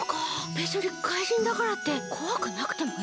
べつに怪人だからってこわくなくてもいいんだね！